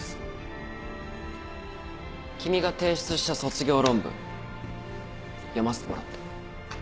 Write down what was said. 君が提出した卒業論文読ませてもらった。